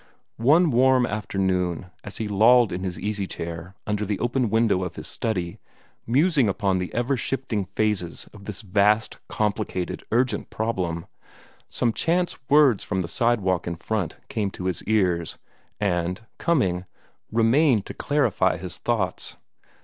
One warm afternoon, as he lolled in his easy chair under the open window of his study, musing upon the ever shifting phases of this vast, complicated, urgent problem, some chance words from the sidewalk in front came to his ears, and, coming, remained to clarify his thoughts.